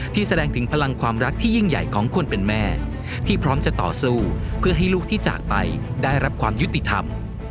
แสดงถึงพลังความรักที่ยิ่งใหญ่ของคนเป็นแม่ที่พร้อมจะต่อสู้เพื่อให้ลูกที่จากไปได้รับความยุติธรรม